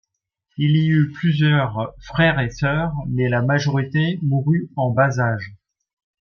Il eut plusieurs frères et sœurs mais la majorité mourut en bas âge.